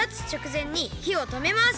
ぜんにひをとめます。